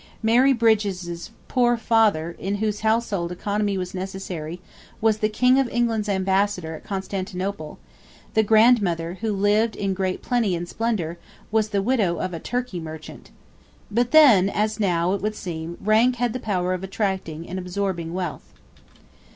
Mary Brydges's 'poor ffather,' in whose household economy was necessary, was the King of England's ambassador at Constantinople; the grandmother, who lived in 'great plenty and splendour,' was the widow of a Turkey merchant. But then, as now, it would seem, rank had the power of attracting and absorbing wealth.